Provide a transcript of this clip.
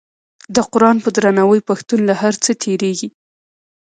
د قران په درناوي پښتون له هر څه تیریږي.